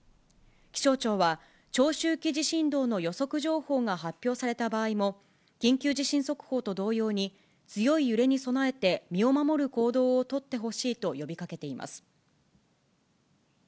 気象庁は、長周期地震動の予測情報が発表された場合も、緊急地震速報と同様に、強い揺れに備えて身を守る行動を取ってほしいと呼びかけています。